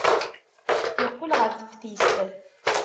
Yeqqel ɣer teftist.